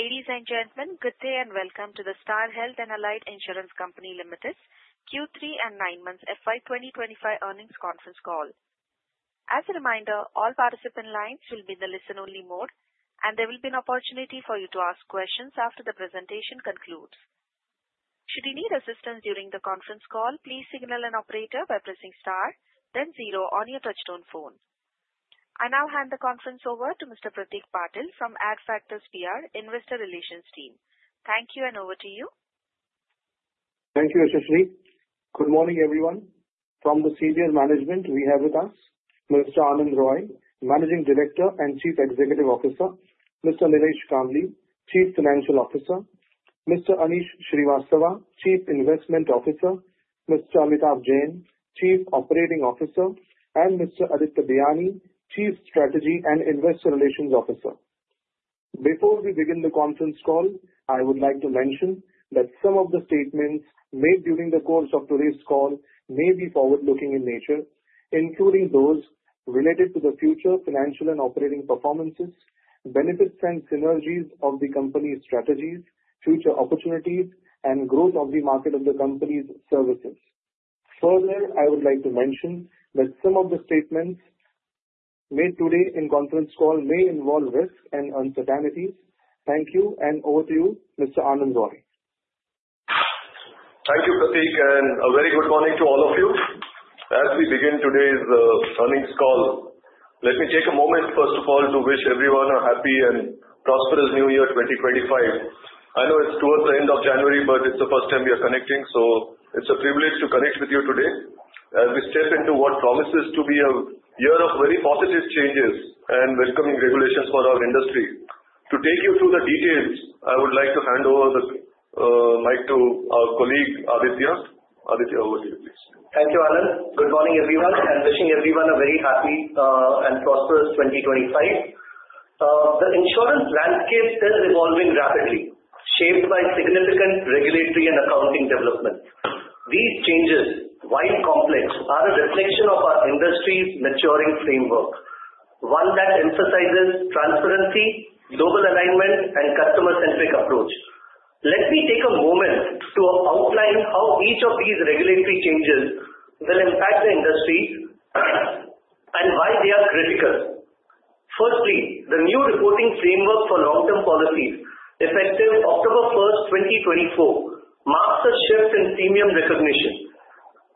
Ladies and gentlemen, good day and welcome to the Star Health and Allied Insurance Company Limited's Q3 and nine-month FY 2025 earnings conference call. As a reminder, all participant lines will be in the listen-only mode, and there will be an opportunity for you to ask questions after the presentation concludes. Should you need assistance during the conference call, please signal an operator by pressing star, then zero on your touch-tone phone. I now hand the conference over to Mr. Prateek Patil from Adfactors PR, Investor Relations Team. Thank you, and over to you. Thank you, Ashishri. Good morning, everyone. From the senior management, we have with us Mr. Anand Roy, Managing Director and Chief Executive Officer, Mr. Nilesh Kambli, Chief Financial Officer, Mr. Aneesh Srivastava, Chief Investment Officer, Mr. Amitabh Jain, Chief Operating Officer, and Mr. Aditya Biyani, Chief Strategy and Investor Relations Officer. Before we begin the conference call, I would like to mention that some of the statements made during the course of today's call may be forward-looking in nature, including those related to the future financial and operating performances, benefits and synergies of the company's strategies, future opportunities, and growth of the market of the company's services. Further, I would like to mention that some of the statements made today in the conference call may involve risks and uncertainties. Thank you, and over to you, Mr. Anand Roy. Thank you, Prateek, and a very good morning to all of you. As we begin today's earnings call, let me take a moment, first of all, to wish everyone a happy and prosperous New Year 2025. I know it's towards the end of January, but it's the first time we are connecting, so it's a privilege to connect with you today as we step into what promises to be a year of very positive changes and welcoming regulations for our industry. To take you through the details, I would like to hand over the mic to our colleague, Aditya. Aditya, over to you, please. Thank you, Anand. Good morning, everyone, and wishing everyone a very happy and prosperous 2025. The insurance landscape is evolving rapidly, shaped by significant regulatory and accounting developments. These changes, while complex, are a reflection of our industry's maturing framework, one that emphasizes transparency, global alignment, and a customer-centric approach. Let me take a moment to outline how each of these regulatory changes will impact the industry and why they are critical. Firstly, the new reporting framework for long-term policies, effective October 1, 2024, marks a shift in premium recognition.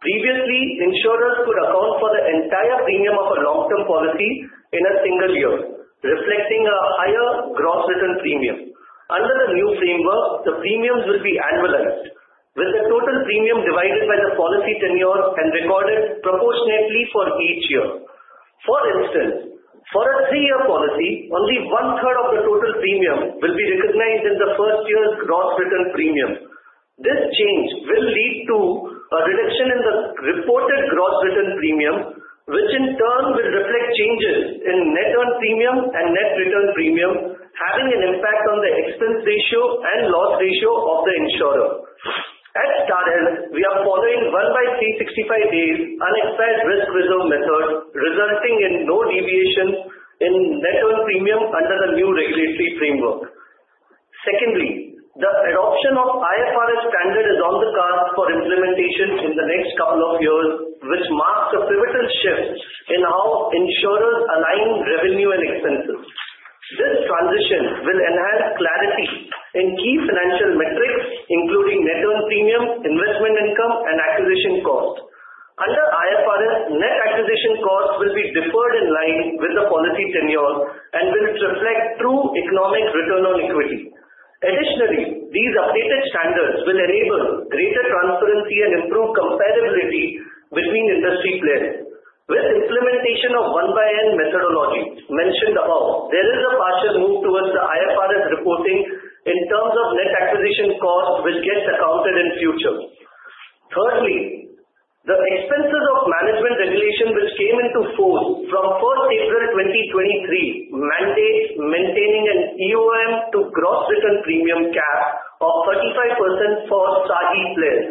Previously, insurers could account for the entire premium of a long-term policy in a single year, reflecting a higher gross written premium. Under the new framework, the premiums will be annualized, with the total premium divided by the policy tenure and recorded proportionately for each year. For instance, for a three-year policy, only 1/3 of the total premium will be recognized in the first year's gross written premium. This change will lead to a reduction in the reported gross written premium, which in turn will reflect changes in net earned premium and net written premium, having an impact on the expense ratio and loss ratio of the insurer. At Star Health, we are following 1/365 days' unexpired risk reserve method, resulting in no deviation in net earned premium under the new regulatory framework. Secondly, the adoption of the IFRS standard is on the cards for implementation in the next couple of years, which marks a pivotal shift in how insurers align revenue and expenses. This transition will enhance clarity in key financial metrics, including net earned premium, investment income, and acquisition cost. Under IFRS, net acquisition cost will be deferred in line with the policy tenure and will reflect true economic return on equity. Additionally, these updated standards will enable greater transparency and improve compatibility between industry players. With the implementation of the 1/N methodology mentioned above, there is a partial move towards the IFRS reporting in terms of net acquisition cost, which gets accounted in the future. Thirdly, the expenses of management regulation, which came into force from April 1, 2023, mandates maintaining an EOM to gross written premium cap of 35% for SAHI players.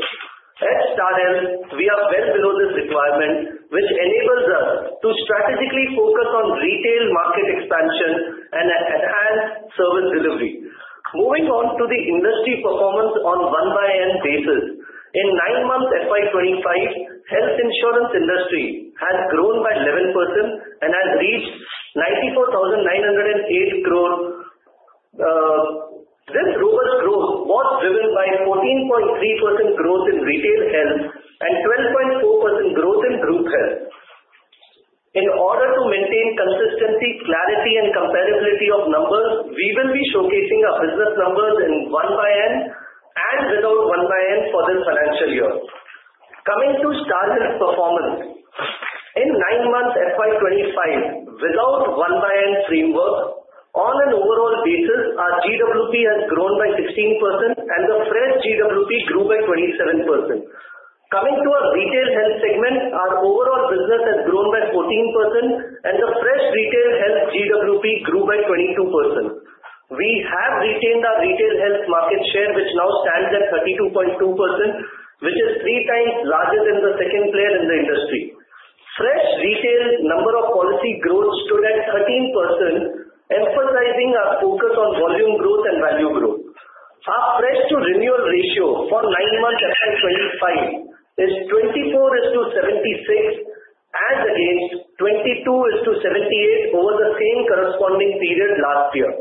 At Star Health, we are well below this requirement, which enables us to strategically focus on retail market expansion and enhanced service delivery. Moving on to the industry performance on a 1/N basis, in the nine-month FY25, the health insurance industry has grown by 11% and has reached 94,908 crores. This robust growth was driven by 14.3% growth in retail health and 12.4% growth in group health. In order to maintain consistency, clarity, and compatibility of numbers, we will be showcasing our business numbers in 1/N and without 1/N for this financial year. Coming to Star Health's performance, in the nine-month FY 2025, without the 1/N framework, on an overall basis, our GWP has grown by 16%, and the fresh GWP grew by 27%. Coming to our retail health segment, our overall business has grown by 14%, and the fresh retail health GWP grew by 22%. We have retained our retail health market share, which now stands at 32.2%, which is three times larger than the second player in the industry. Fresh retail number of policy growth stood at 13%, emphasizing our focus on volume growth and value growth. Our fresh-to-renewal ratio for the nine-month FY25 is 24:76, as against 22:78 over the same corresponding period last year.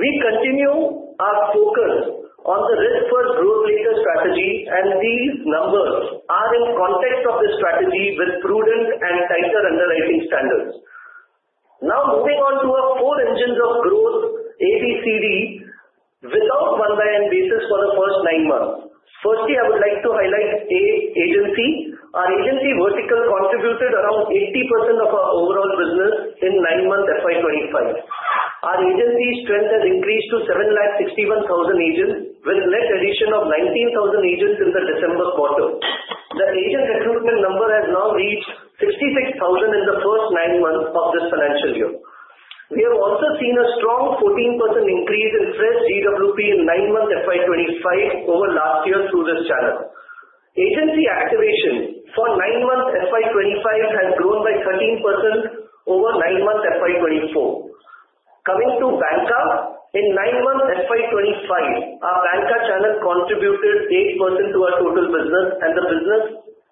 We continue our focus on the risk-first growth rate strategy, and these numbers are in context of the strategy with prudent and tighter underwriting standards. Now, moving on to our four engines of growth, A, B, C, D, without 1/N basis for the first nine months. Firstly, I would like to highlight agency. Our agency vertical contributed around 80% of our overall business in the FY 2025. Our agency strength has increased to 761,000 agents, with net addition of 19,000 agents in the December quarter. The agent recruitment number has now reached 66,000 in the first nine months of this financial year. We have also seen a strong 14% increase in fresh GWP in the nine-month FY 2025 over last year through this channel. Agency activation for the nine-month FY 2025 has grown by 13% over the nine-month FY 2024. Coming to bancassurance, in the nine-month FY 2025, our bancassurance channel contributed 8% to our total business, and the business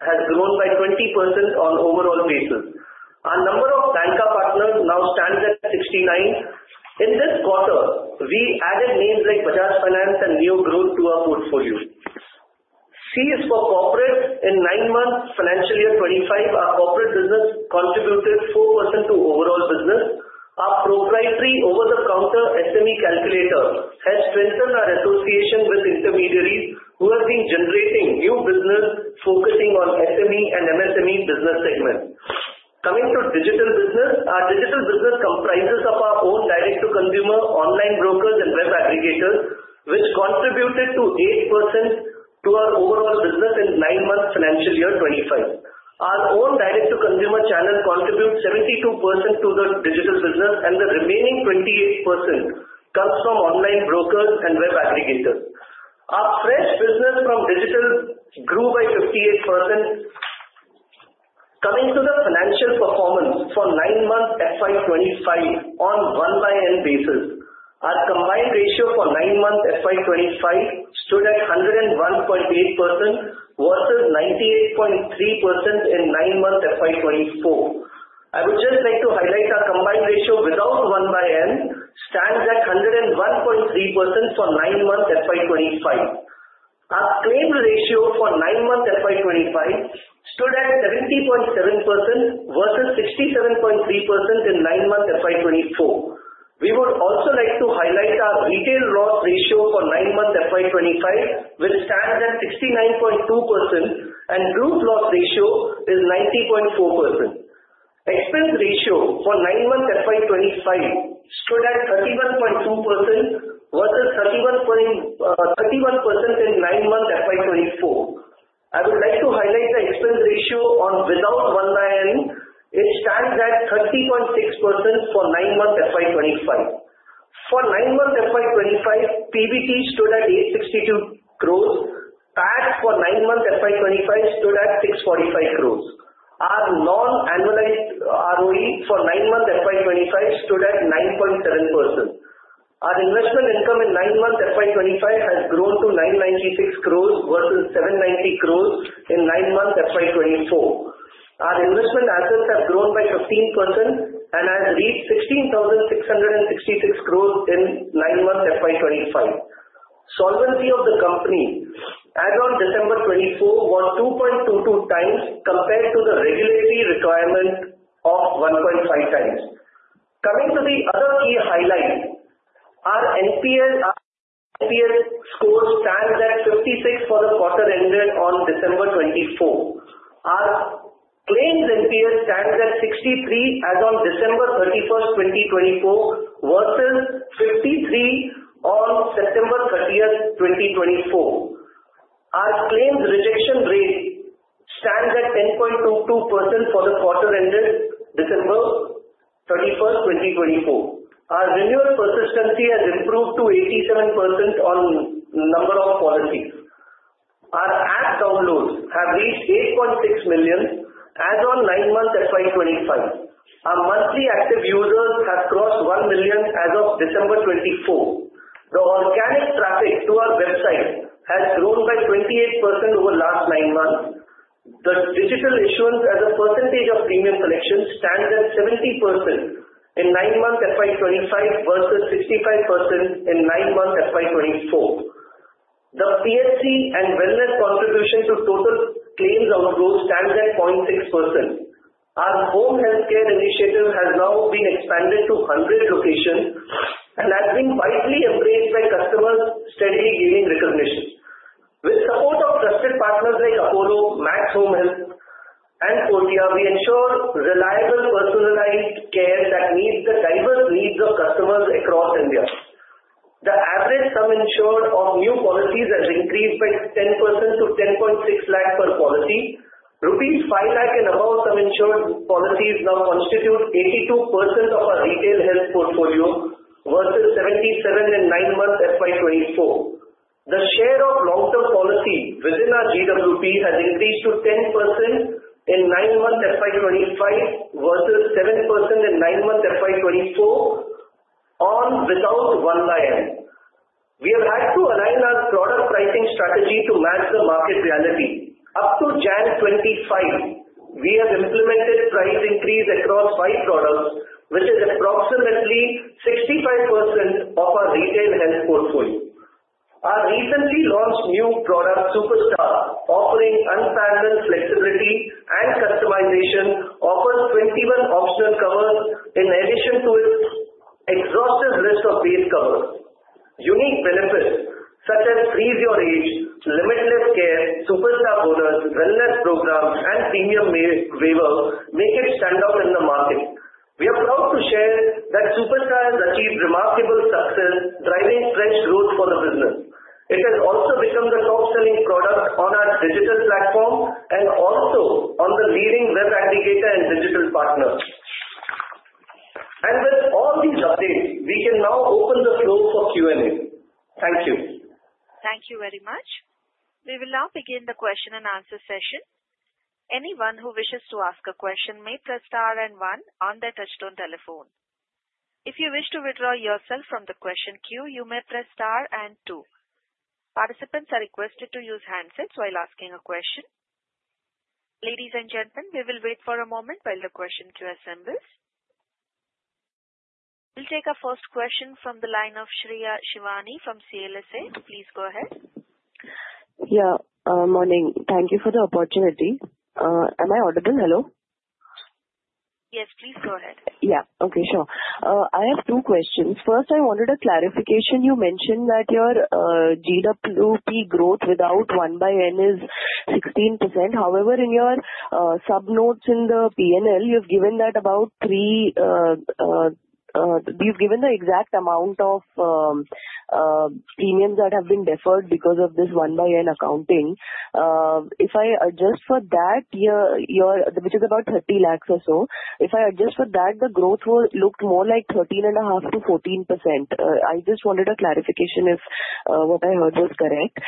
has grown by 20% on an overall basis. Our number of bancassurance partners now stands at 69. In this quarter, we added names like Bajaj Finance and Neo Group to our portfolio. C is for corporate. In the nine-month financial year 25, our corporate business contributed 4% to overall business. Our proprietary over-the-counter SME calculator has strengthened our association with intermediaries who have been generating new business focusing on SME and MSME business segments. Coming to digital business, our digital business comprises of our own direct-to-consumer online brokers and web aggregators, which contributed 8% to our overall business in the nine-month financial year 25. Our own direct-to-consumer channel contributes 72% to the digital business, and the remaining 28% comes from online brokers and web aggregators. Our fresh business from digital grew by 58%. Coming to the financial performance for the nine-month FY 2025 on a 1/N basis, our combined ratio for the nine-month FY 2025 stood at 101.8% versus 98.3% in the nine-month FY 2024. I would just like to highlight our combined ratio without 1/N stands at 101.3% for the nine-month FY 2025. Our claim ratio for the nine-month FY 2025 stood at 70.7% versus 67.3% in the nine-month FY 2024. We would also like to highlight our retail loss ratio for the nine-month FY 2025, which stands at 69.2%, and group loss ratio is 90.4%. Expense ratio for the nine-month FY 2025 stood at 31.2% versus 31% in the nine-month FY 2024. I would like to highlight the expense ratio without 1/N. It stands at 30.6% for the nine-month FY 2025. For the nine-month FY 2025, PBT stood at 862 crores. PAT for the nine-month FY 2025 stood at 645 crores. Our non-annualized ROE for the nine-month FY 2025 stood at 9.7%. Our investment income in the nine-month FY 2025 has grown to 996 crores versus 790 crores in the nine-month FY 2024. Our investment assets have grown by 15% and have reached 16,666 crores in the nine-month FY 2025. Solvency of the company as of December 2024 was 2.22 times compared to the regulatory requirement of 1.5x. Coming to the other key highlight, our NPS score stands at 56 for the quarter ended on December 2024. Our claims NPS stands at 63 as of December 31, 2024, versus 53 on September 30, 2024. Our claims rejection rate stands at 10.22% for the quarter ended December 31, 2024. Our renewal persistency has improved to 87% on the number of policies. Our app downloads have reached 8.6 million as of the nine-month FY 2025. Our monthly active users have crossed 1 million as of December 24. The organic traffic to our website has grown by 28% over the last nine months. The digital issuance as a percentage of premium collection stands at 70% in the nine-month FY 2025 versus 65% in the nine-month FY 2024. The PHC and wellness contribution to total claims all of those stands at 0.6%. Our home healthcare initiative has now been expanded to 100 locations and has been widely embraced by customers, steadily gaining recognition. With support of trusted partners like Apollo, Max@Home Health, and Portea, we ensure reliable personalized care that meets the diverse needs of customers across India. The average sum insured of new policies has increased by 10% to 10.6 lakh per policy. Rupees 5 lakh and above sum insured policies now constitute 82% of our retail health portfolio versus 77% in the nine-month FY 2024. The share of long-term policy within our GWP has increased to 10% in the nine-month FY 2025 versus 7% in the nine-month FY 2024 on and without 1/N. We have had to align our product pricing strategy to match the market reality. Up to January 2025, we have implemented price increase across five products, which is approximately 65% of our retail health portfolio. Our recently launched new product, Super Star, offering unparalleled flexibility and customization, offers 21 optional covers in addition to its exhaustive list of base covers. Unique benefits such as Freeze Your Age, Limitless Care, Superstar Bonus, Wellness Program, and Premium Waiver make it stand out in the market. We are proud to share that Super Star has achieved remarkable success, driving fresh growth for the business. It has also become the top-selling product on our digital platform and also on the leading web aggregator and digital partners. And with all these updates, we can now open the floor for Q&A. Thank you. Thank you very much. We will now begin the question and answer session. Anyone who wishes to ask a question may press Star and one on their touch-tone telephone. If you wish to withdraw yourself from the question queue, you may press Star and two. Participants are requested to use handsets while asking a question. Ladies and gentlemen, we will wait for a moment while the question queue assembles. We'll take our first question from the line of Shreya Shivani from CLSA. Please go ahead. Yeah. Morning. Thank you for the opportunity. Am I audible? Hello? Yes, please go ahead. Yeah. Okay. Sure. I have two questions. First, I wanted a clarification. You mentioned that your GWP growth without 1/N is 16%. However, in your sub-notes in the P&L, you've given that about 30, the exact amount of premiums that have been deferred because of this 1/N accounting. If I adjust for that, which is about 30 lakhs or so, if I adjust for that, the growth looked more like 13.5% to 14%. I just wanted a clarification if what I heard was correct.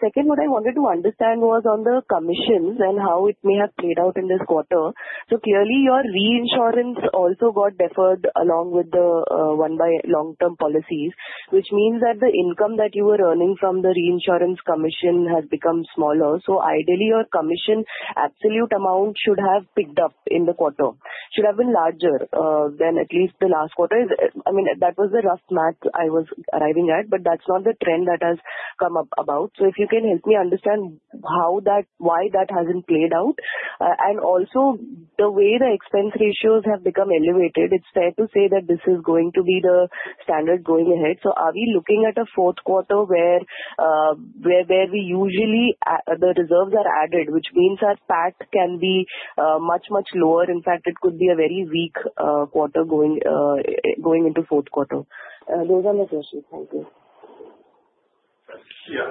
Second, what I wanted to understand was on the commissions and how it may have played out in this quarter. So clearly, your reinsurance also got deferred along with the 1/N long-term policies, which means that the income that you were earning from the reinsurance commission has become smaller. So ideally, your commission absolute amount should have picked up in the quarter, should have been larger than at least the last quarter. I mean, that was the rough math I was arriving at, but that's not the trend that has come about. So if you can help me understand why that hasn't played out and also the way the expense ratios have become elevated, it's fair to say that this is going to be the standard going ahead. So are we looking at a fourth quarter where we usually the reserves are added, which means our PAT can be much, much lower? In fact, it could be a very weak quarter going into fourth quarter. Those are my questions. Thank you. Yeah.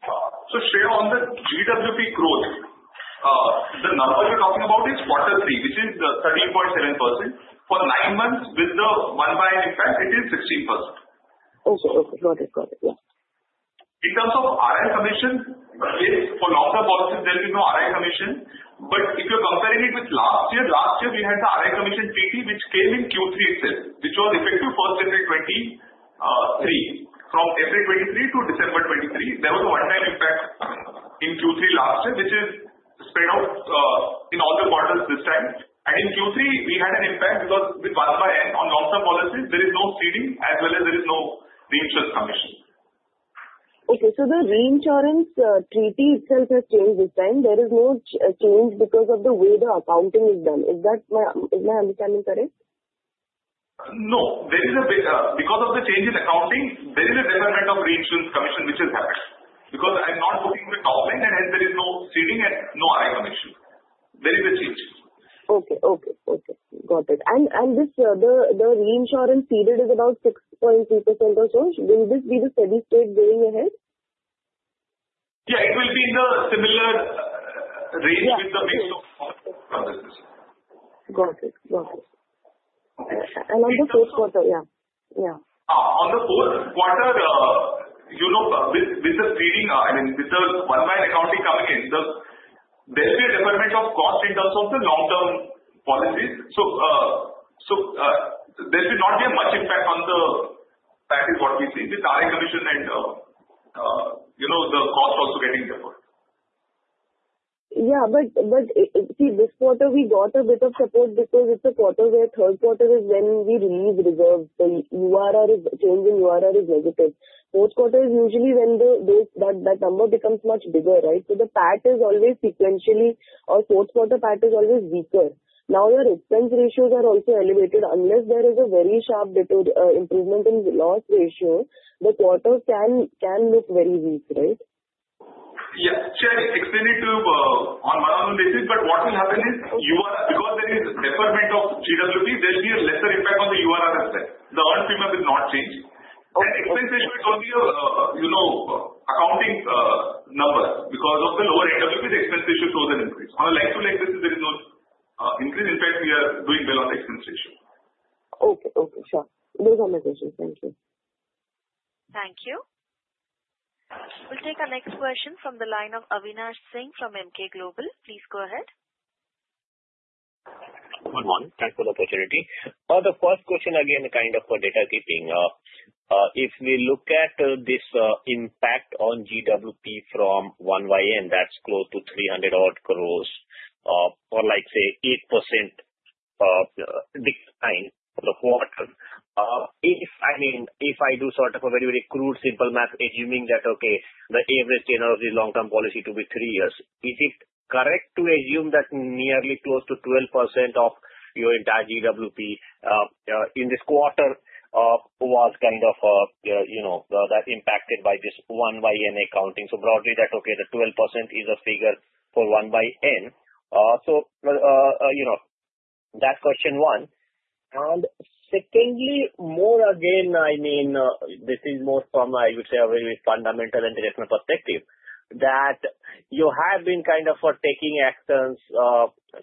So Shreya, on the GWP growth, the number you're talking about is quarter 3, which is 13.7%. For nine months with the 1/N impact, it is 16%. Okay. Okay. Got it. Got it. Yeah. In terms of RI commission, for long-term policies, there is no RI commission. But if you're comparing it with last year, last year we had the RI commission treaty, which came in Q3 itself, which was effective 1st April 2023. From April 2023 to December 2023, there was a one-time impact in Q3 last year, which is spread out in all the quarters this time. And in Q3, we had an impact because with 1/N on long-term policies, there is no ceding as well as there is no reinsurance commission. Okay. So the reinsurance treaty itself has changed this time. There is no change because of the way the accounting is done. Is my understanding correct? No. Because of the change in accounting, there is a different amount of reinsurance commission which has happened because I'm not looking to the government, and hence there is no ceding and no RI commission. There is a change. Okay. Got it. And the reinsurance ratio is about 6.2% or so. Will this be the steady state going ahead? Yeah. It will be in the similar range with the base of the quarters. Got it. And on the fourth quarter, yeah. Yeah. On the fourth quarter, with the ceding, I mean, with the 1/N accounting coming in, there will be a different amount of cost in terms of the long-term policies. So there will not be a much impact on the. That is what we see with RI commission and the cost also getting deferred. Yeah. But see, this quarter we got a bit of support because it's a quarter where third quarter is when we release reserves. The URR is changed and URR is negative. Fourth quarter is usually when that number becomes much bigger, right? So the PAT is always sequentially or fourth quarter PAT is always weaker. Now your expense ratios are also elevated. Unless there is a very sharp improvement in the loss ratio, the quarter can look very weak, right? Yeah. Shreya, explain it to you on one or two bases. But what will happen is because there is a deferment of GWP, there will be a lesser impact on the URR itself. The earned premium is not changed. And expense ratio is only an accounting number because of the lower NWP, the expense ratio shows an increase. On a like-to-like basis, there is no increase. In fact, we are doing well on the expense ratio. Okay. Okay. Sure. Those are my questions. Thank you. Thank you. We'll take our next question from the line of Avinash Singh from Emkay Global. Please go ahead. Good morning. Thanks for the opportunity. The first question again kind of for data keeping. If we look at this impact on GWP from 1/N, that's close to 300-odd crores or say 8% declined for the quarter. I mean, if I do sort of a very, very crude simple math, assuming that, okay, the average tenure of this long-term policy to be three years, is it correct to assume that nearly close to 12% of your entire GWP in this quarter was kind of that impacted by this 1/N accounting? So broadly, that, okay, the 12% is a figure for 1/N. So that's question one. And secondly, more again, I mean, this is more from, I would say, a very fundamental and directional perspective, that you have been kind of taking actions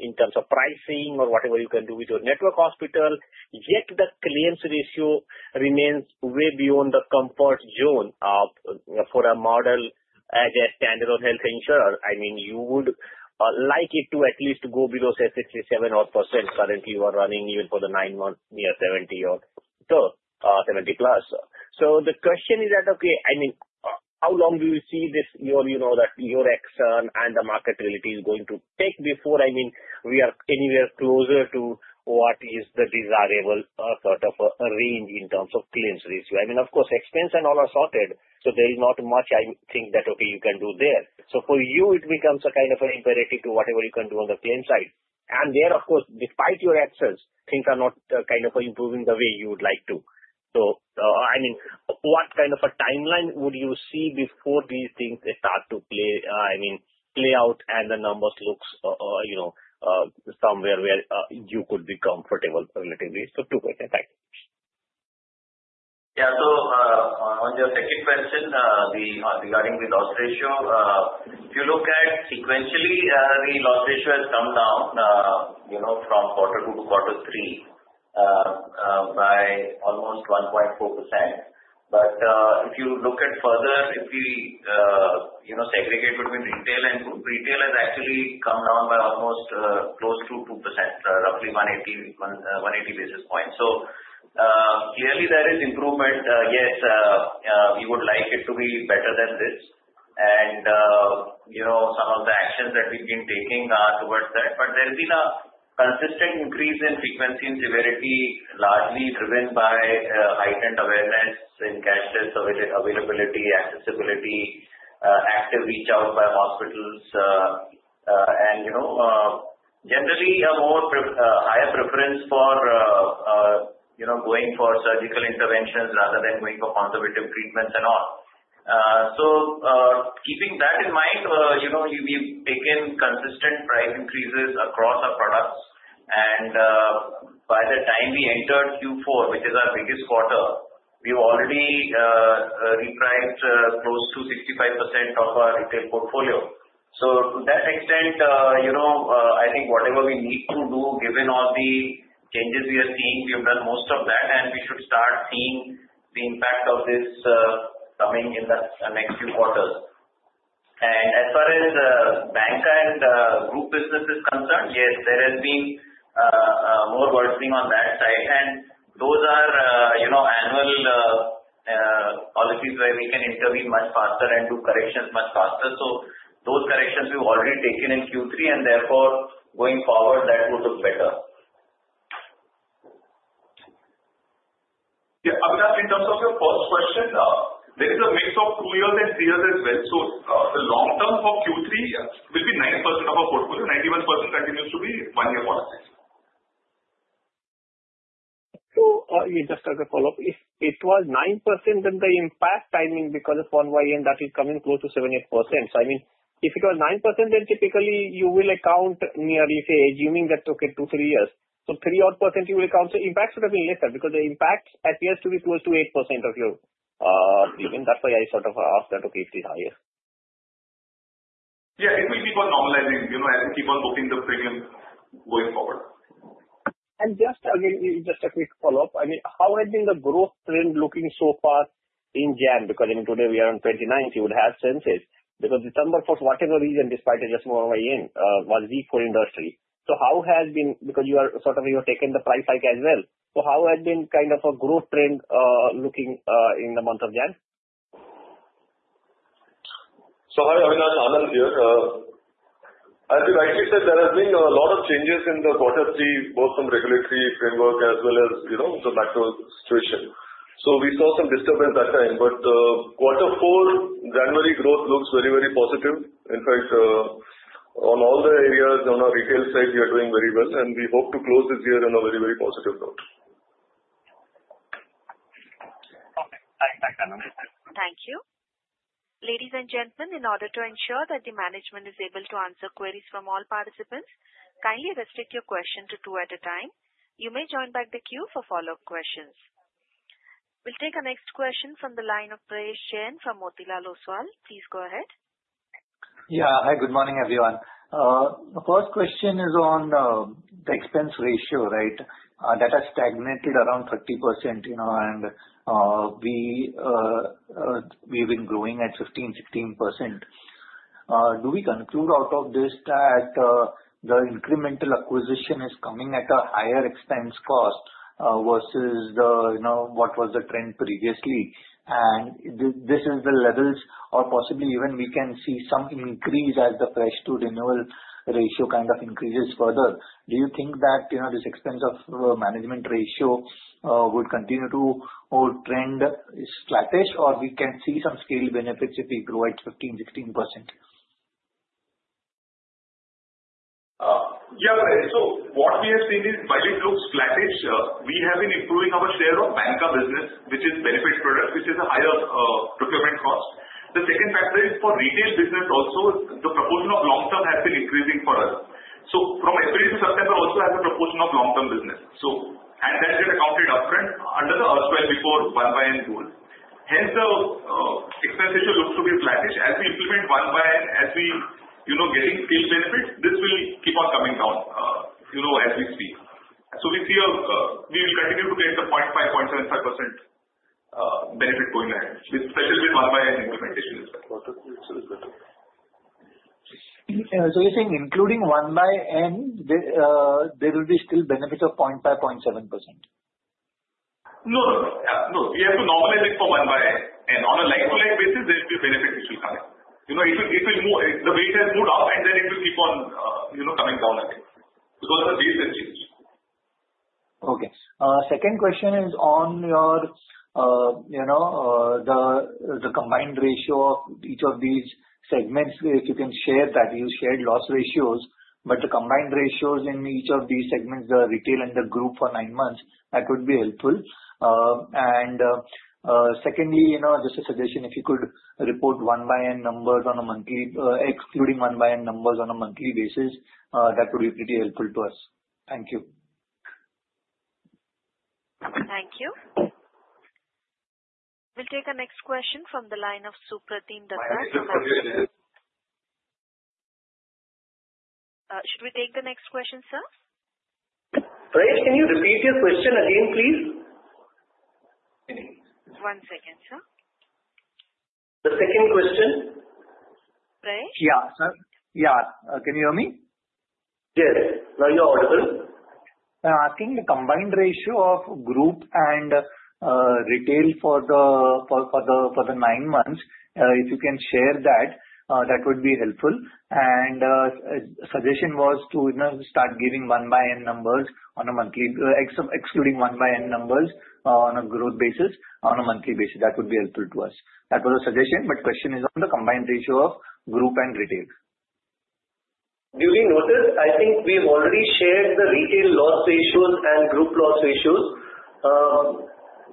in terms of pricing or whatever you can do with your network hospital, yet the claims ratio remains way beyond the comfort zone for a model as a standard of health insurer. I mean, you would like it to at least go below 67-odd% currently you are running even for the nine months near 70-odd%, so 70+%. So the question is that, okay, I mean, how long do you see that your action and the market reality is going to take before, I mean, we are anywhere closer to what is the desirable sort of a range in terms of claims ratio? I mean, of course, expense and all are sorted, so there is not much, I think, that, okay, you can do there. So for you, it becomes a kind of an imperative to whatever you can do on the claim side. And there, of course, despite your actions, things are not kind of improving the way you would like to. So I mean, what kind of a timeline would you see before these things start to play, I mean, play out and the numbers look somewhere where you could be comfortable relatively? So two questions. Thank you. Yeah. So on your second question regarding the loss ratio, if you look at sequentially, the loss ratio has come down from quarter 2 to quarter 3 by almost 1.4%. But if you look at further, if we segregate between retail and group, retail has actually come down by almost close to 2%, roughly 180 basis points. So clearly, there is improvement. Yes, we would like it to be better than this. And some of the actions that we've been taking are towards that. But there has been a consistent increase in frequency and severity, largely driven by heightened awareness in cashless availability, accessibility, active reach-out by hospitals, and generally a more higher preference for going for surgical interventions rather than going for conservative treatments and all. So keeping that in mind, we've taken consistent price increases across our products. And by the time we entered Q4, which is our biggest quarter, we've already repriced close to 65% of our retail portfolio. So to that extent, I think whatever we need to do, given all the changes we are seeing, we have done most of that, and we should start seeing the impact of this coming in the next few quarters. And as far as bancassurance and group business is concerned, yes, there has been more worsening on that side. And those are annual policies where we can intervene much faster and do corrections much faster. So those corrections we've already taken in Q3, and therefore going forward, that would look better. Yeah. Avinash, in terms of your first question, there is a mix of two years and three years as well. So the long-term for Q3 will be 9% of our portfolio. 91% continues to be one-year policies. So just as a follow-up, if it was 9%, then the impact, I mean, because of 1/N, that is coming close to 7 to 8%. So I mean, if it was 9%, then typically you will account nearly, say, assuming that, okay, two, three years. So three-odd % you will account. So impact should have been lesser because the impact appears to be close to 8% of your premium. That's why I sort of asked that, okay, if it is higher. Yeah. It will keep on normalizing as we keep on booking the premium going forward. And just again, just a quick follow-up. I mean, how has been the growth trend looking so far in January? Because I mean, today we are on 29th, you would have sensed because December, for whatever reason, despite it just 1/N, was weak for industry. So how has been because you are sort of taking the price hike as well. So how has been kind of a growth trend looking in the month of January? Sorry, Avinash, I'm not clear. As you rightly said, there have been a lot of changes in the quarter 3, both from regulatory framework as well as the macro situation. So we saw some disturbance that time. But quarter 4, January growth looks very, very positive. In fact, on all the areas, on our retail side, we are doing very well. And we hope to close this year on a very, very positive note. Okay. I understand. Thank you. Ladies and gentlemen, in order to ensure that the management is able to answer queries from all participants, kindly restrict your question to two at a time. You may join back the queue for follow-up questions. We'll take our next question from the line of Prayesh Jain from Motilal Oswal. Please go ahead. Yeah. Hi. Good morning, everyone. The first question is on the expense ratio, right? That has stagnated around 30%, and we've been growing at 15% to 16%. Do we conclude out of this that the incremental acquisition is coming at a higher expense cost versus what was the trend previously? And this is the levels or possibly even we can see some increase as the fresh-to-renewal ratio kind of increases further. Do you think that this expense of management ratio would continue to trend flattish, or we can see some scaled benefits if we grow at 15% to 16%? Yeah. So what we have seen is while it looks flattish, we have been improving our share of bancassurance business, which is benefit products, which is a higher procurement cost. The second factor is for retail business also, the proportion of long-term has been increasing for us. So from April to September also has a proportion of long-term business. And that got accounted upfront under the erstwhile before 1/N rule. Hence, the expense ratio looks to be flatish. As we implement 1/N, as we are getting scaled benefits, this will keep on coming down as we speak. So we see we will continue to get the 0.5%, 0.75% benefit going ahead, especially with 1/N implementation as well. So you're saying including 1/N, there will be still benefit of 0.5%, 0.7%? No. No. No. Yeah. No. We have to normalize it for 1/N. And on a like-for-like basis, there will be benefit which will come. The weight has moved up, and then it will keep on coming down again because the weight has changed. Okay. Second question is on the combined ratio of each of these segments. If you can share that, you shared loss ratios, but the combined ratios in each of these segments, the retail and the group for nine months, that would be helpful. And secondly, just a suggestion, if you could report 1/N numbers on a monthly, excluding 1/N numbers on a monthly basis, that would be pretty helpful to us. Thank you. Thank you. We'll take our next question from the line of Supratim Datta. Should we take the next question, sir? Prayesh, can you repeat your question again, please? One second, sir. The second question. Prayesh? Yeah, sir. Yeah. Can you hear me? Yes. Now you're audible. I'm asking the combined ratio of group and retail for the nine months, if you can share that, that would be helpful. Suggestion was to start giving 1/N numbers on a monthly, excluding 1/N numbers on a growth basis on a monthly basis. That would be helpful to us. That was a suggestion, but question is on the combined ratio of group and retail. You'll notice, I think we've already shared the retail loss ratios and group loss ratios.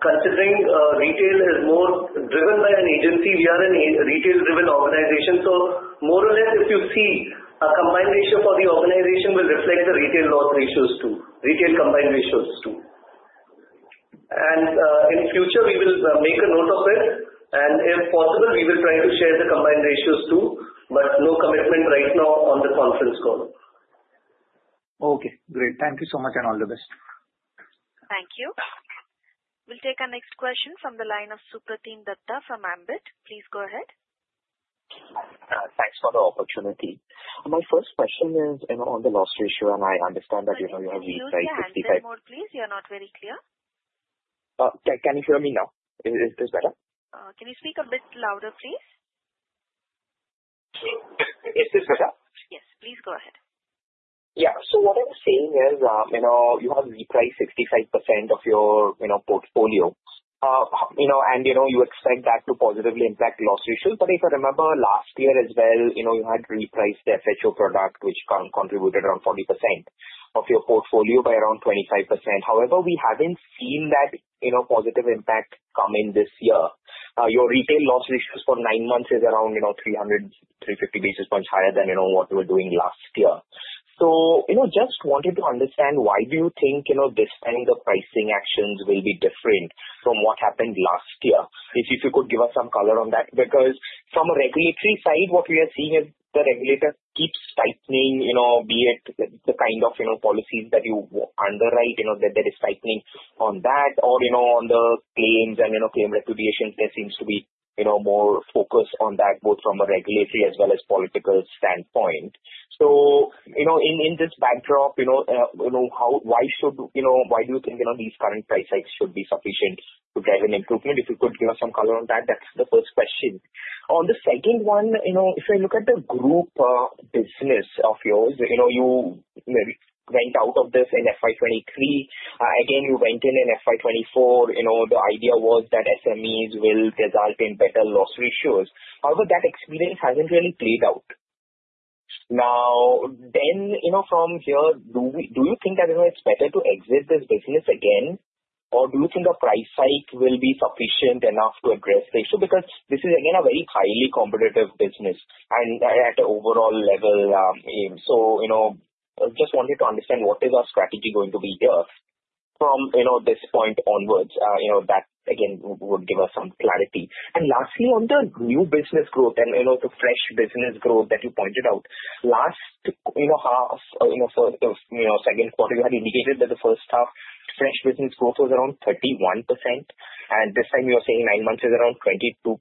Considering retail is more driven by an agency, we are a retail-driven organization. More or less, if you see a combined ratio for the organization, we'll reflect the retail loss ratios too, retail combined ratios too. In future, we will make a note of it. And if possible, we will try to share the combined ratios too, but no commitment right now on the conference call. Okay. Great. Thank you so much and all the best. Thank you. We'll take our next question from the line of Supratim Datta from Ambit. Please go ahead. Thanks for the opportunity. My first question is on the loss ratio, and I understand that you have repriced 65. Can you say that more, please? You're not very clear. Can you hear me now? Is this better? Can you speak a bit louder, please? Is this better? Yes. Please go ahead. Yeah. So what I was saying is you have repriced 65% of your portfolio, and you expect that to positively impact loss ratios. But if I remember last year as well, you had repriced the FHO product, which contributed around 40% of your portfolio by around 25%. However, we haven't seen that positive impact come in this year. Your retail loss ratios for nine months is around 350 basis points higher than what we were doing last year. So just wanted to understand why do you think this time the pricing actions will be different from what happened last year? If you could give us some color on that. Because from a regulatory side, what we are seeing is the regulator keeps tightening, be it the kind of policies that you underwrite, that there is tightening on that, or on the claims and claim reimbursements, there seems to be more focus on that both from a regulatory as well as political standpoint. So in this backdrop, why do you think these current price hikes should be sufficient to drive an improvement? If you could give us some color on that, that's the first question. On the second one, if I look at the group business of yours, you went out of this in FY 2023. Again, you went in in FY 2024. The idea was that SMEs will result in better loss ratios. However, that experience hasn't really played out. Now, then from here, do you think that it's better to exit this business again, or do you think a price hike will be sufficient enough to address the issue? Because this is, again, a very highly competitive business at an overall level, so I just wanted to understand what is our strategy going to be here from this point onwards. That, again, would give us some clarity, and lastly, on the new business growth and the fresh business growth that you pointed out, last half for the second quarter, you had indicated that the first half, fresh business growth was around 31%, and this time, you are saying nine months is around 22%.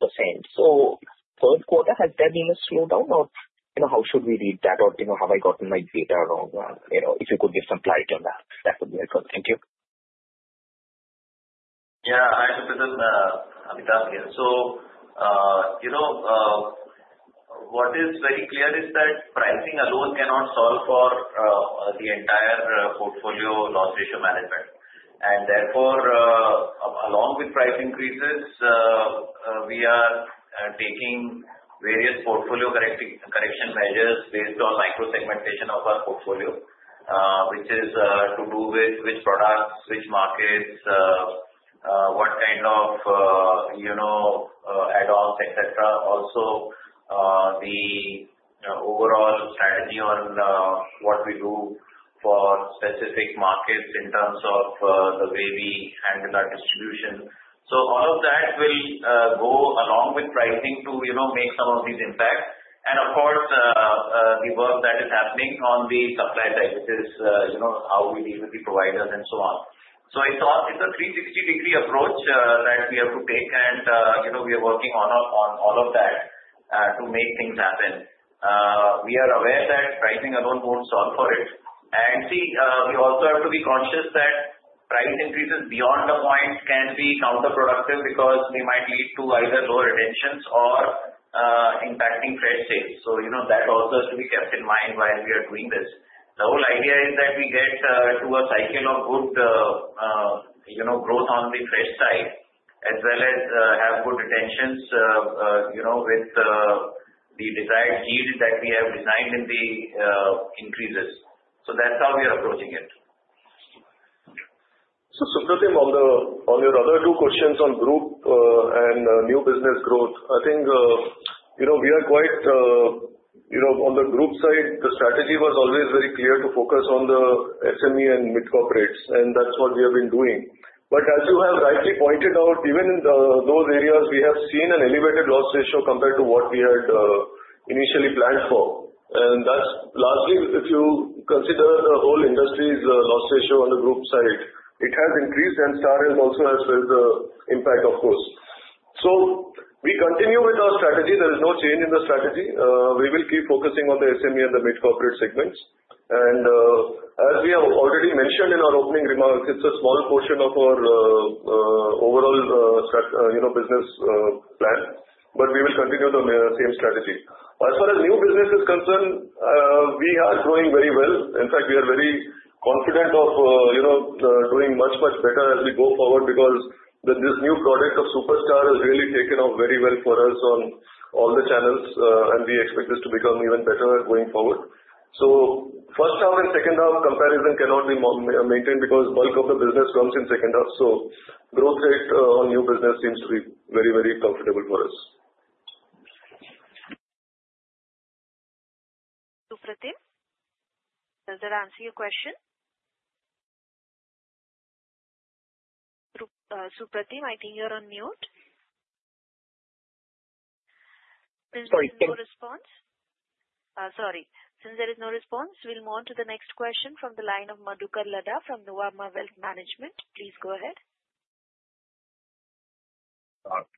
So third quarter, has there been a slowdown, or how should we read that, or have I gotten my data wrong? If you could give some clarity on that, that would be helpful. Thank you. Yeah. I have to present Amitabh again. What is very clear is that pricing alone cannot solve for the entire portfolio loss ratio management. And therefore, along with price increases, we are taking various portfolio correction measures based on micro-segmentation of our portfolio, which is to do with which products, which markets, what kind of adopters, etc. Also, the overall strategy on what we do for specific markets in terms of the way we handle our distribution, so all of that will go along with pricing to make some of these impacts. And of course, the work that is happening on the supply side, which is how we deal with the providers and so on. So it's a 360-degree approach that we have to take, and we are working on all of that to make things happen. We are aware that pricing alone won't solve for it. And see, we also have to be conscious that price increases beyond the point can be counterproductive because they might lead to either lower retentions or impacting fresh sales. So that also has to be kept in mind while we are doing this. The whole idea is that we get to a cycle of good growth on the fresh side, as well as have good retentions with the desired yield that we have designed in the increases. So that's how we are approaching it. So Supratim, on your other two questions on group and new business growth, I think we are quite on the group side, the strategy was always very clear to focus on the SME and mid-corporates, and that's what we have been doing. But as you have rightly pointed out, even in those areas, we have seen an elevated loss ratio compared to what we had initially planned for. And lastly, if you consider the whole industry's loss ratio on the group side, it has increased, and Star Health also has felt the impact, of course. So we continue with our strategy. There is no change in the strategy. We will keep focusing on the SME and the mid-corporate segments. And as we have already mentioned in our opening remarks, it's a small portion of our overall business plan, but we will continue the same strategy. As far as new business is concerned, we are growing very well. In fact, we are very confident of doing much, much better as we go forward because this new product of Superstar has really taken off very well for us on all the channels, and we expect this to become even better going forward. So first half and second half comparison cannot be maintained because bulk of the business comes in second half. So growth rate on new business seems to be very, very comfortable for us. Supratim? Does that answer your question? Supratim, I think you're on mute. Since there is no response. Sorry. Since there is no response, we'll move on to the next question from the line of Madhukar Ladha from Nuvama Wealth Management. Please go ahead.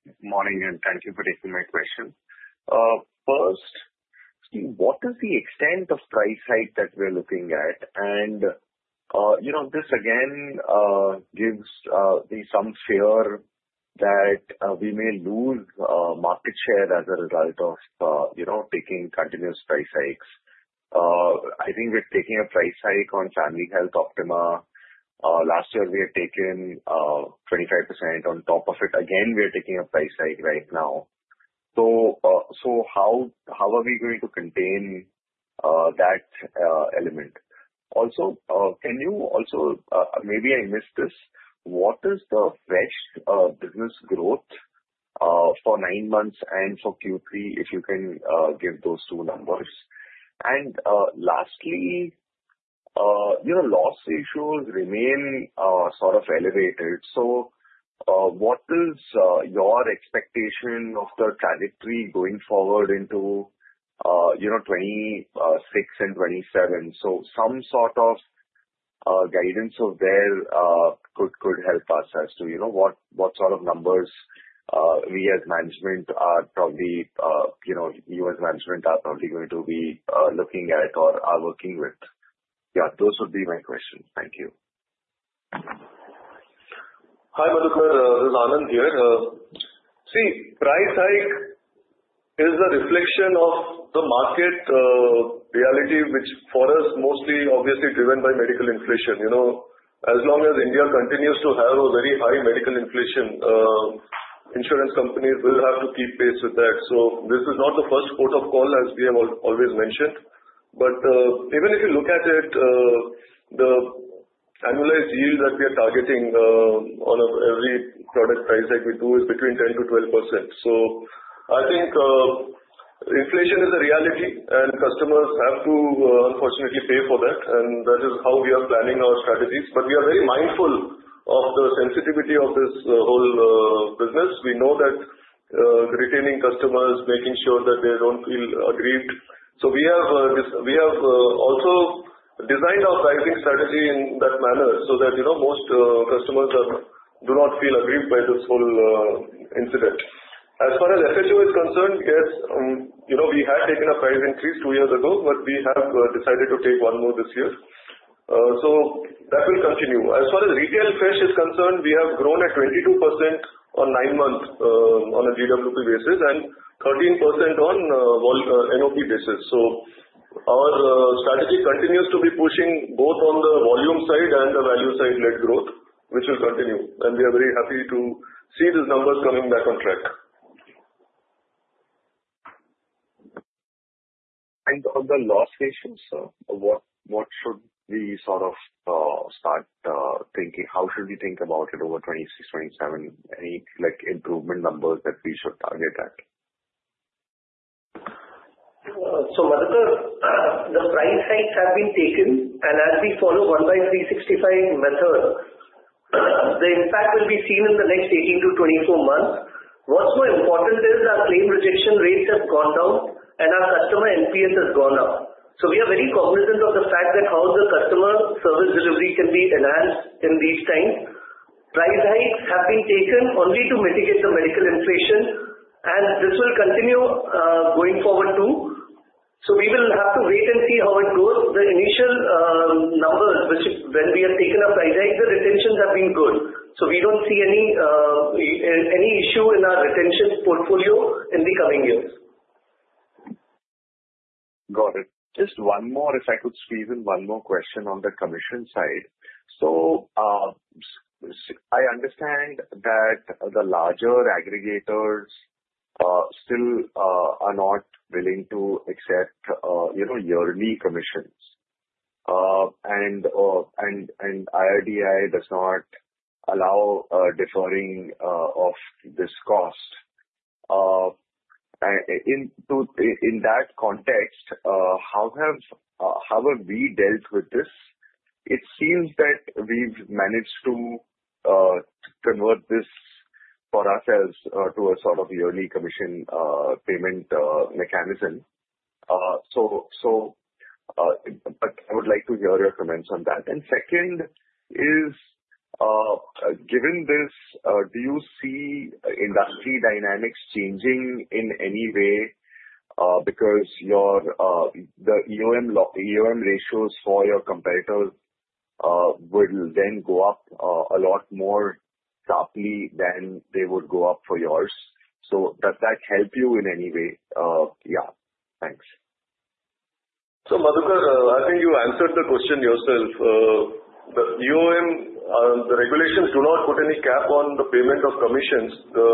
Good morning, and thank you for taking my question. First, what is the extent of price hike that we're looking at? And this, again, gives me some fear that we may lose market share as a result of taking continuous price hikes. I think we're taking a price hike on Family Health Optima. Last year, we had taken 25% on top of it. Again, we are taking a price hike right now. So how are we going to contain that element? Also, can you also maybe I missed this. What is the fresh business growth for nine months and for Q3, if you can give those two numbers? And lastly, loss ratios remain sort of elevated. So what is your expectation of the trajectory going forward into 2026 and 2027? So some sort of guidance of there could help us as to what sort of numbers we as management are probably you as management are probably going to be looking at or are working with. Yeah. Those would be my questions. Thank you. Hi, Madhukar. This is Anand here. See, price hike is a reflection of the market reality, which for us, mostly obviously driven by medical inflation. As long as India continues to have a very high medical inflation, insurance companies will have to keep pace with that. So this is not the first port of call, as we have always mentioned. But even if you look at it, the annualized yield that we are targeting on every product price hike we do is between 10% to 12%. So I think inflation is a reality, and customers have to, unfortunately, pay for that. That is how we are planning our strategies. We are very mindful of the sensitivity of this whole business. We know that retaining customers, making sure that they don't feel aggrieved. We have also designed our pricing strategy in that manner so that most customers do not feel aggrieved by this whole incident. As far as FHO is concerned, yes, we had taken a price increase two years ago, but we have decided to take one more this year. That will continue. As far as retail fresh is concerned, we have grown at 22% on nine months on a GWP basis and 13% on NEP basis. Our strategy continues to be pushing both on the volume side and the value-side-led growth, which will continue. We are very happy to see these numbers coming back on track. And on the loss ratios, sir, what should we sort of start thinking? How should we think about it over 2026, 2027? Any improvement numbers that we should target at? So Madhukar, the price hikes have been taken. And as we follow 1/365 method, the impact will be seen in the next 18 to 24 months. What's more important is our claim rejection rates have gone down, and our customer NPS has gone up. So we are very cognizant of the fact that how the customer service delivery can be enhanced in these times. Price hikes have been taken only to mitigate the medical inflation, and this will continue going forward too. So we will have to wait and see how it goes. The initial numbers, when we have taken a price hike, the retentions have been good. So we don't see any issue in our retention portfolio in the coming years. Got it. Just one more, if I could squeeze in one more question on the commission side. So I understand that the larger aggregators still are not willing to accept yearly commissions, and IRDAI does not allow deferring of this cost. In that context, how have we dealt with this? It seems that we've managed to convert this for ourselves to a sort of yearly commission payment mechanism. But I would like to hear your comments on that. And second is, given this, do you see industry dynamics changing in any way? Because the EOM ratios for your competitors will then go up a lot more sharply than they would go up for yours. So does that help you in any way? Yeah. Thanks. So Madhukar, I think you answered the question yourself. The EOM regulations do not put any cap on the payment of commissions. The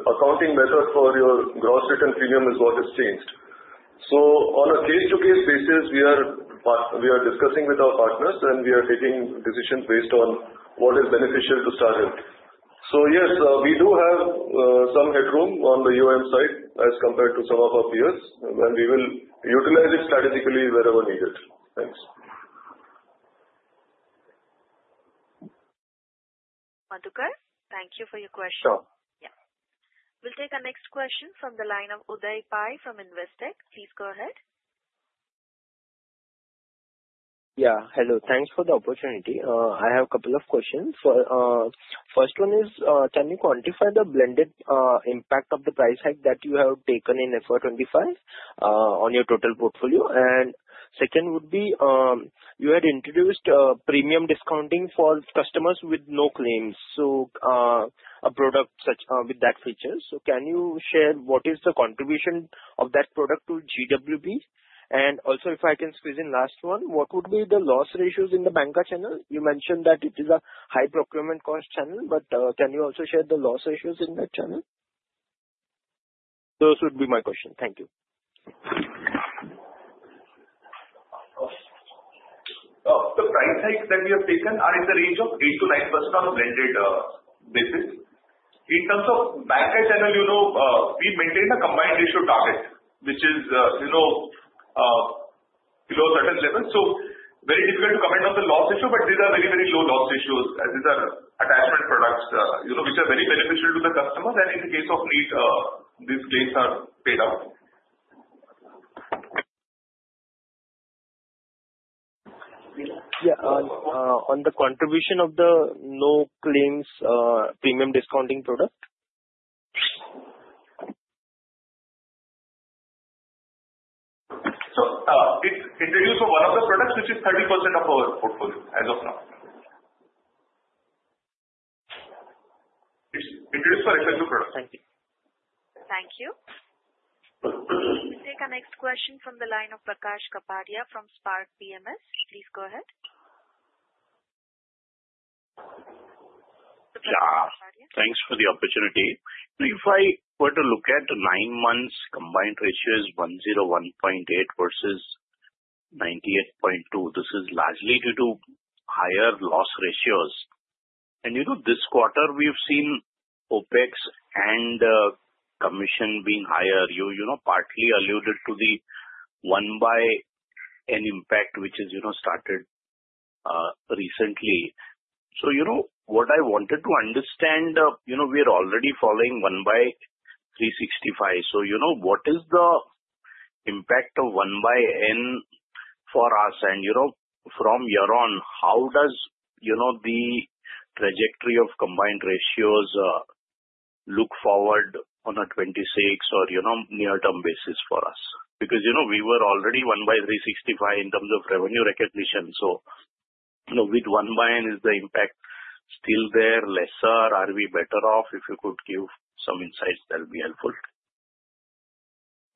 accounting method for your gross written premium is what has changed. So on a case-to-case basis, we are discussing with our partners, and we are taking decisions based on what is beneficial to Star Health. So yes, we do have some headroom on the EOM side as compared to some of our peers, and we will utilize it strategically wherever needed. Thanks. Madhukar, thank you for your question. Sure. Yeah. We'll take our next question from the line of Uday Pai from Investec. Please go ahead. Yeah. Hello. Thanks for the opportunity. I have a couple of questions. First one is, can you quantify the blended impact of the price hike that you have taken FY 2025 on your total portfolio? Second would be, you had introduced premium discounting for customers with no claims, so a product with that feature. So can you share what is the contribution of that product to GWP? And also, if I can squeeze in last one, what would be the loss ratios in the bancassurance channel? You mentioned that it is a high procurement cost channel, but can you also share the loss ratios in that channel? Those would be my questions. Thank you. The price hikes that we have taken are in the range of 8% to 9% on blended basis. In terms of bancassurance channel, we maintain a combined ratio target, which is below a certain level. So very difficult to comment on the loss ratio, but these are very, very low loss ratios. These are attachment products which are very beneficial to the customers. And in case of need, these claims are paid out. Yeah. On the contribution of the no-claims premium discounting product? So it's introduced for one of the products, which is 30% of our portfolio as of now. It's introduced for FHO products. Thank you. Thank you. We'll take our next question from the line of Prakash Kapadia from Spark PMS. Please go ahead. Yeah. Thanks for the opportunity. If I were to look at nine months, Combined Ratio is 101.8 versus 98.2. This is largely due to higher Loss Ratios. And this quarter, we've seen OpEx and commission being higher. You partly alluded to the 1/N impact, which has started recently. So what I wanted to understand, we are already following 1 by 365. So what is the impact of 1/N for us? From here on, how does the trajectory of combined ratios look forward on a 26 or near-term basis for us? Because we were already 1 by 365 in terms of revenue recognition. So with 1/N, is the impact still there? Lesser? Are we better off? If you could give some insights, that would be helpful.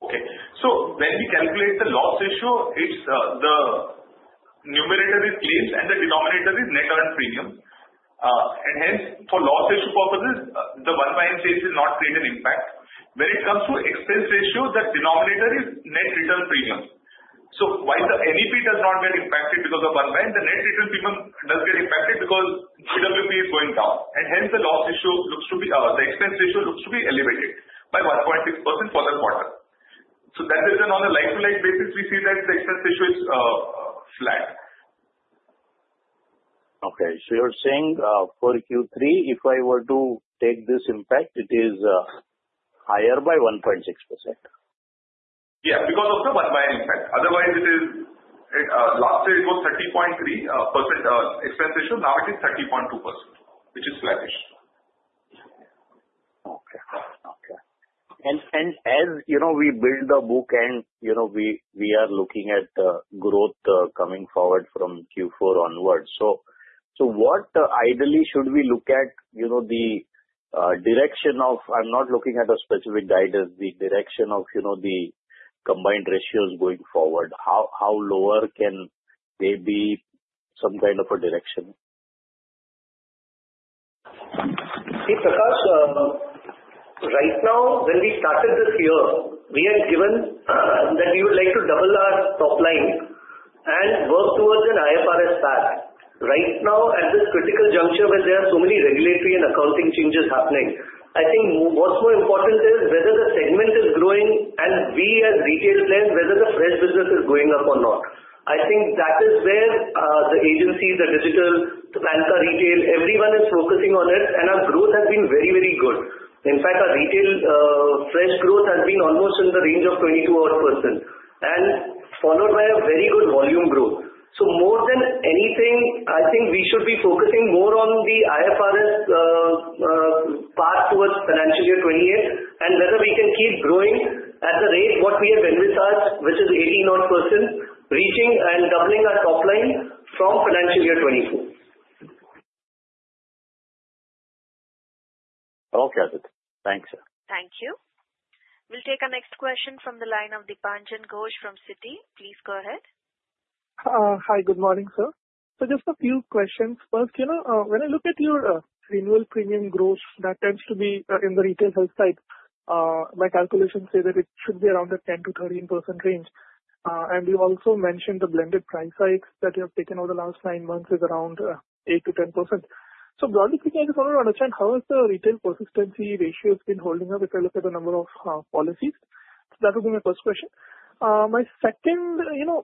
Okay. So when we calculate the loss ratio, the numerator is claims and the denominator is net earned premium. And hence, for loss ratio purposes, the 1/N change does not create an impact. When it comes to expense ratio, the denominator is net return premium. So while the NEP does not get impacted because of 1/N, the net return premium does get impacted because GWP is going down. And hence, the expense ratio looks to be elevated by 1.6% for the quarter. So that is done on a like-to-like basis. We see that the expense ratio is flat. Okay. So you're saying for Q3, if I were to take this impact, it is higher by 1.6%? Yeah. Because of the 1/N impact. Otherwise, last year, it was 30.3% expense ratio. Now it is 30.2%, which is flattish. Okay. Okay. And as we build the book and we are looking at growth coming forward from Q4 onward, so what ideally should we look at, the direction of? I'm not looking at a specific guidance, the direction of the combined ratios going forward. How lower can they be? Some kind of a direction? See, Prakash, right now, when we started this year, we had given that we would like to double our top line and work towards an IFRS path. Right now, at this critical juncture where there are so many regulatory and accounting changes happening, I think what's more important is whether the segment is growing and we as retail players, whether the fresh business is going up or not. I think that is where the agencies, the digital, the banker retail, everyone is focusing on it, and our growth has been very, very good. In fact, our retail fresh growth has been almost in the range of 22-odd% and followed by a very good volume growth. So more than anything, I think we should be focusing more on the IFRS path towards financial year 2028 and whether we can keep growing at the rate what we have envisaged, which is 80-odd%, reaching and doubling our top line from financial year 2020. Okay. Thanks. Thank you. We'll take our next question from the line of Dipanjan Ghosh from Citi. Please go ahead. Hi. Good morning, sir. So just a few questions. First, when I look at your renewal premium growth, that tends to be in the retail health side. My calculations say that it should be around the 10% to 13% range. And you also mentioned the blended price hikes that you have taken over the last nine months is around 8% to 10%. So broadly speaking, I just want to understand how has the retail persistency ratio been holding up if I look at the number of policies? So that would be my first question. My second,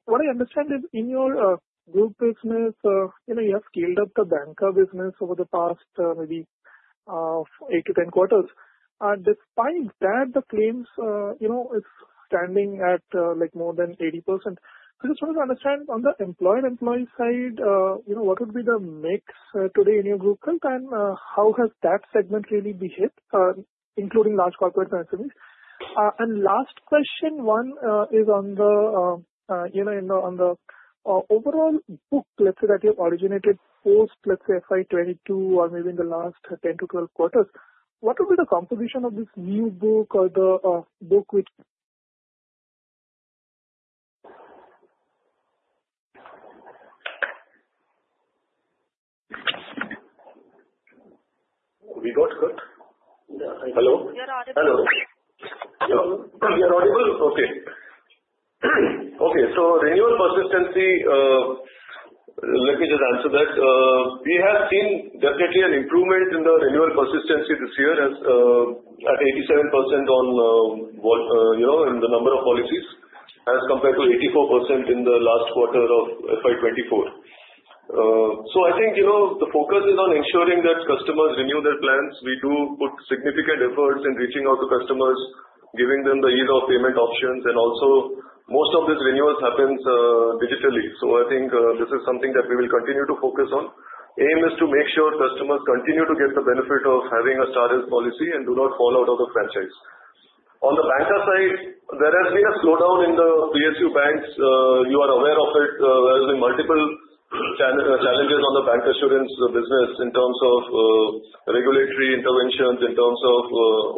what I understand is in your group business, you have scaled up the bancassurance business over the past maybe 8 to 10 quarters. Despite that, the claims is standing at more than 80%. So I just wanted to understand on the employer-employee side, what would be the mix today in your group, and how has that segment really behaved, including large corporates and SMEs? And last question, one is on the overall book, let's say, that you have originated post, let's say, FY 2022 or maybe in the last 10 to 12 quarters, what would be the composition of this new book or the book which? We got cut. Hello? You're audible. Hello. You're audible? Okay. Okay. So renewal persistency, let me just answer that. We have seen definitely an improvement in the renewal persistency this year at 87% in the number of policies as compared to 84% in the last quarter of FY 2024. So I think the focus is on ensuring that customers renew their plans. We do put significant efforts in reaching out to customers, giving them the ease of payment options. And also, most of these renewals happen digitally. So I think this is something that we will continue to focus on. Aim is to make sure customers continue to get the benefit of having a Star Health policy and do not fall out of the franchise. On the bancassurance side, there has been a slowdown in the PSU banks. You are aware of it. There have been multiple challenges on the bancassurance business in terms of regulatory interventions, in terms of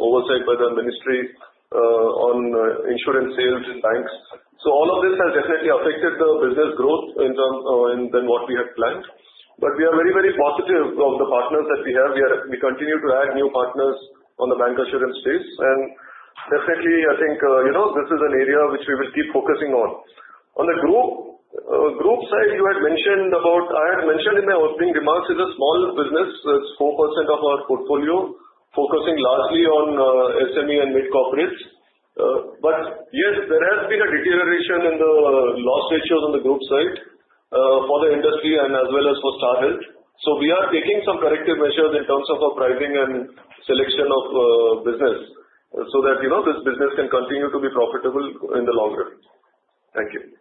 oversight by the ministry on insurance sales in banks. So all of this has definitely affected the business growth than what we had planned. But we are very, very positive of the partners that we have. We continue to add new partners on the bancassurance space. And definitely, I think this is an area which we will keep focusing on. On the group side, you had mentioned about. I had mentioned in my opening remarks, it's a small business. It's 4% of our portfolio, focusing largely on SME and mid-corporates. But yes, there has been a deterioration in the loss ratios on the group side for the industry and as well as for Star Health. So we are taking some corrective measures in terms of our pricing and selection of business so that this business can continue to be profitable in the long run. Thank you.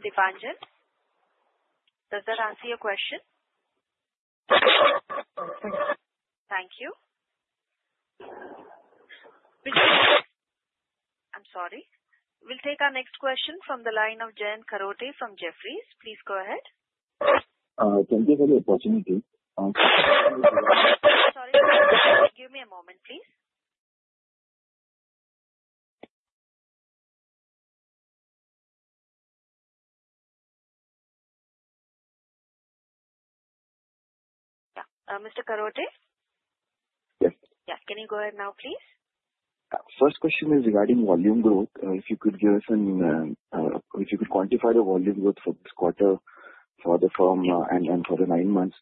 Dipanjan, does that answer your question? Thank you. I'm sorry. We'll take our next question from the line of Jayant Kharote from Jefferies. Please go ahead. Thank you for the opportunity. Sorry. Give me a moment, please. Yeah. Mr. Kharote? Yes. Yeah. Can you go ahead now, please? First question is regarding volume growth. If you could quantify the volume growth for this quarter for the firm and for the nine months,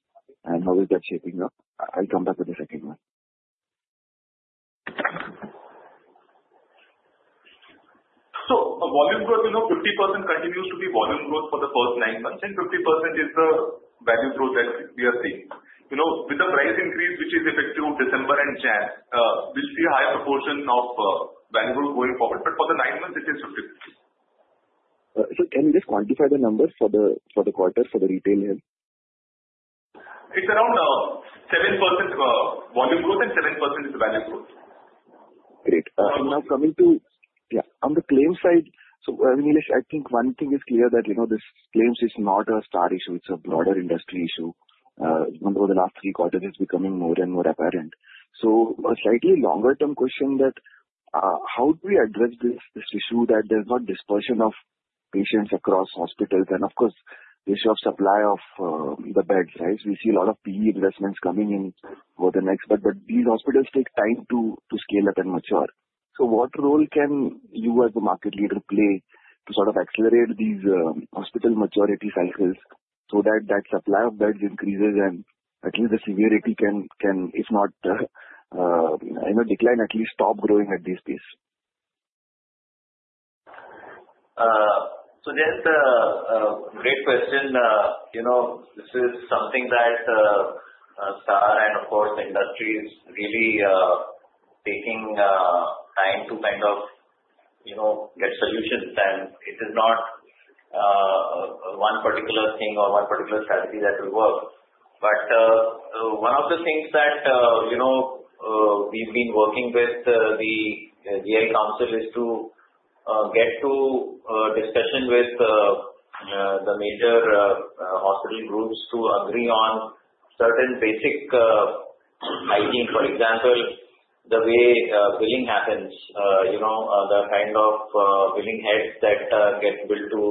and how is that shaping up? I'll come back with the second one. So volume growth, 50% continues to be volume growth for the first nine months, and 50% is the value growth that we are seeing. With the price increase, which is effective December and January, we'll see a higher proportion of value growth going forward. But for the nine months, it is 50%. So can you just quantify the numbers for the quarter for the retail health? It's around 7% volume growth and 7% is value growth. Great. Now, coming to yeah, on the claims side, so I think one thing is clear that this claims is not a Star issue. It's a broader industry issue. Remember, the last three quarters is becoming more and more apparent. A slightly longer-term question: how do we address this issue that there's not dispersion of patients across hospitals? And of course, the issue of supply of the beds, right? We see a lot of PE investments coming in over the next but these hospitals take time to scale up and mature. What role can you as the market leader play to sort of accelerate these hospital maturity cycles so that that supply of beds increases and at least the severity can, if not decline, at least stop growing at this pace? There's a great question. This is something that Star and, of course, the industry is really taking time to kind of get solutions. It is not one particular thing or one particular strategy that will work. But one of the things that we've been working with the GI Council is to get to discussion with the major hospital groups to agree on certain basic hygiene. For example, the way billing happens, the kind of billing heads that get billed to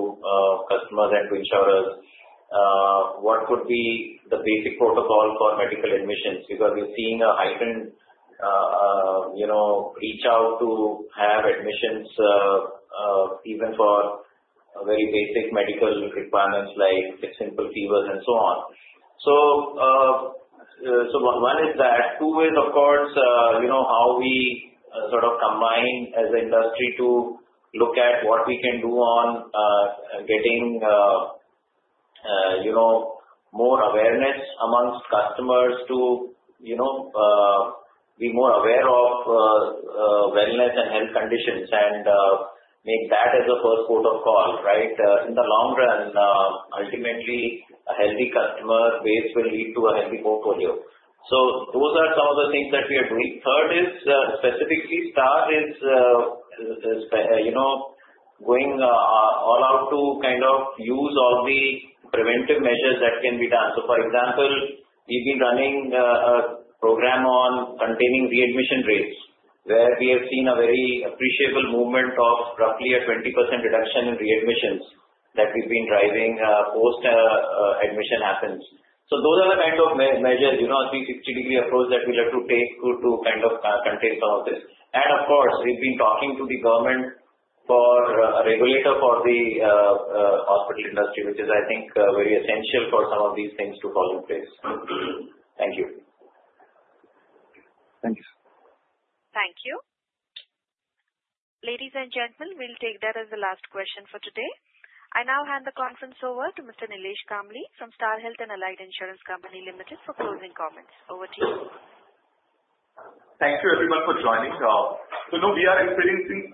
customers and to insurers, what could be the basic protocol for medical admissions? Because we've seen a heightened reach out to have admissions even for very basic medical requirements like simple fevers and so on. So one is that. Two is, of course, how we sort of combine as an industry to look at what we can do on getting more awareness among customers to be more aware of wellness and health conditions and make that as a first port of call, right? In the long run, ultimately, a healthy customer base will lead to a healthy portfolio. So those are some of the things that we are doing. Third is specifically Star is going all out to kind of use all the preventive measures that can be done. So for example, we've been running a program on containing readmission rates where we have seen a very appreciable movement of roughly a 20% reduction in readmissions that we've been driving post-admission happens. So those are the kind of measures, a 360-degree approach that we look to take to kind of contain some of this. And of course, we've been talking to the government for a regulator for the hospital industry, which is, I think, very essential for some of these things to fall in place. Thank you. Thank you. Thank you. Ladies and gentlemen, we'll take that as the last question for today. I now hand the conference over to Mr. Nilesh Kambli from Star Health and Allied Insurance Company Limited for closing comments. Over to you. Thank you, everyone, for joining us. So we are experiencing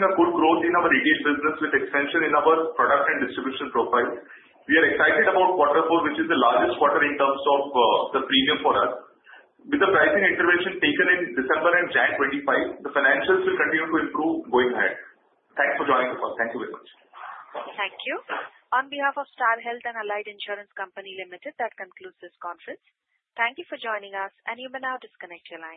a good growth in our retail business with extension in our product and distribution profiles. We are excited about Quarter 4, which is the largest quarter in terms of the premium for us. With the pricing intervention taken in December and January 2025, the financials will continue to improve going ahead. Thanks for joining the call. Thank you very much. Thank you. On behalf of Star Health and Allied Insurance Company Limited, that concludes this conference. Thank you for joining us, and you may now disconnect your line.